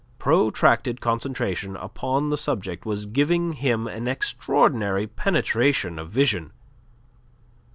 Protracted concentration upon the subject was giving him an extraordinary penetration of vision.